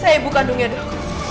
saya bukan dunia dok